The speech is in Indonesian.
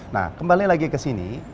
nah kembali lagi ke sini